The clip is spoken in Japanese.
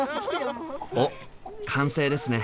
お完成ですね！